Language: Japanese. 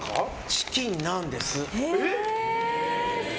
チキンなんですよ。